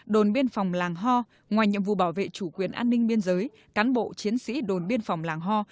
đồn biên phòng làng ho ngoài nhiệm vụ bảo vệ chủ quyền an ninh biên giới cán bộ chiến sĩ đồn biên phòng làng hoa